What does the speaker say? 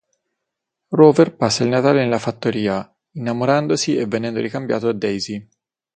Rover passa il Natale nella fattoria, innamorandosi e venendo ricambiato da Daisy.